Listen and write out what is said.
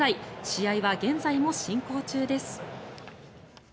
試合は現在も進行中です。